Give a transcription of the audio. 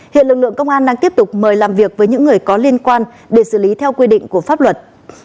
hiện lực lượng công an đang tiếp tục mời làm việc với những người có liên quan để xử lý theo quy định của pháp luật